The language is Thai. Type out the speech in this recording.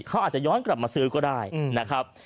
เขาอาจจะย้อนกลับมาซื้อก็ได้นะครับ